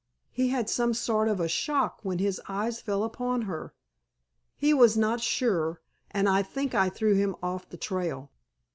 He had some sort of a shock when his eyes fell upon her. He was not sure, and I think I threw him off the trail."